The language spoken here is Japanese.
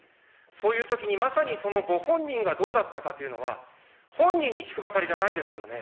そういうときにまさに、そのご本人がどうだったかというのは、本人に聞くばかりじゃないですよね。